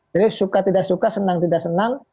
jadi suka tidak suka senang tidak senang